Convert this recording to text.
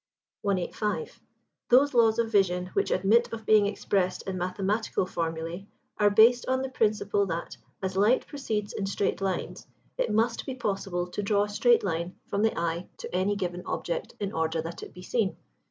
185. Those laws of vision which admit of being expressed in mathematical formulæ are based on the principle that, as light proceeds in straight lines, it must be possible to draw a straight line from the eye to any given object in order that it be seen.